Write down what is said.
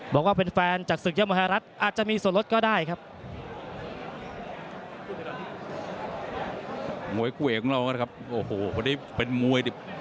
มวยกุโอ้ยของเราก็ครับโอ้โหวันนี้เป็นมวย